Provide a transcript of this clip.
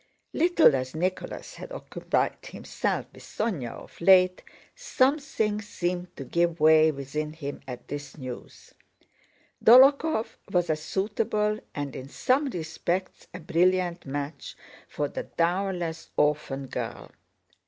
Little as Nicholas had occupied himself with Sónya of late, something seemed to give way within him at this news. Dólokhov was a suitable and in some respects a brilliant match for the dowerless, orphan girl.